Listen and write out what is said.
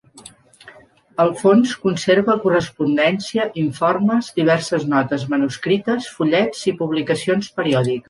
El fons conserva correspondència, informes, diverses notes manuscrites, fullets i publicacions periòdiques.